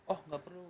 oh tidak perlu